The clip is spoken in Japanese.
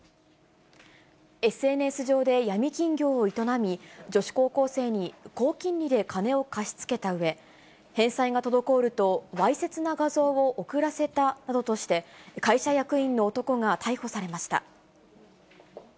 ＳＮＳ上で闇金業を営み、女子高校生に高金利で金を貸し付けたうえ、返済が滞ると、わいせつな画像を送らせたなどとして、会社役員の男が逮捕されました。